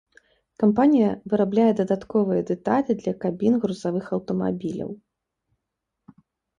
Кампанія вырабляе дадатковыя дэталі для кабін грузавых аўтамабіляў.